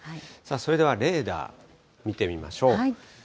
それではレーダー見てみましょう。